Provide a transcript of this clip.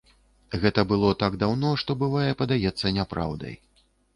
Гэта было так даўно, што, бывае, падаецца няпраўдай.